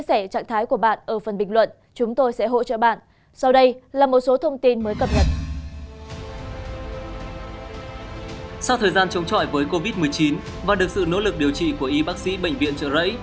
sau thời gian chống chọi với covid một mươi chín và được sự nỗ lực điều trị của y bác sĩ bệnh viện trợ rẫy